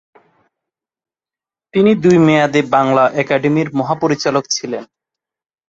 তিনি দুই মেয়াদে বাংলা একাডেমীর মহাপরিচালক ছিলেন।